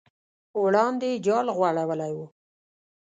وړاندې یې جال غوړولی و.